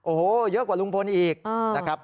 โอ้โหเยอะกว่าลุงพลอีกนะครับ